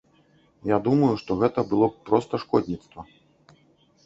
Я думаю, што гэта было б проста шкодніцтва.